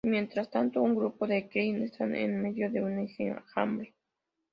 Mientras tanto, un grupo de kril están en medio de un enjambre.